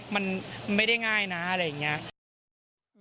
มันไม่ได้ง่ายนะอะไรอย่างนี้